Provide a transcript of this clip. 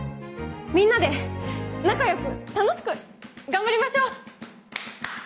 みんなで仲良く楽しく頑張りましょう！